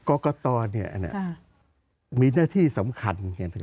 กรกตเนี่ยมีหน้าที่สำคัญ